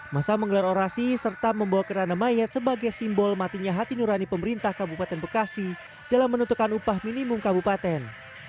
masa menggelar orasi serta membawa kerana mayat sebagai simbol matinya hati nurani pemerintah kabupaten bekasi dalam menentukan upah minimum kabupaten